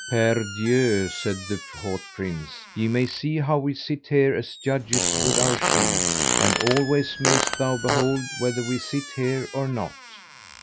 Per dieu, said the haut prince, ye may see how we sit here as judges with our shields, and always mayest thou behold whether we sit here or not.